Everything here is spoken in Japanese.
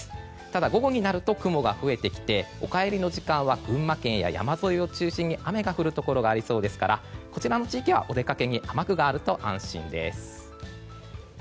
ただ、午後になると雲が増えてきてお帰りの時間は群馬県、山沿いで雨の降るところありそうですからこちらの地域はお出かけに雨具があると安心です。